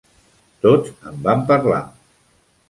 Tots en van parlar.